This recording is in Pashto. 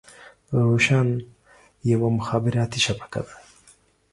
روشن يوه مخابراتي شبکه ده.